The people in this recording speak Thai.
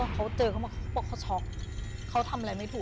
เขาเจอเขาบอกเขาช็อกเขาทำอะไรไม่ถูก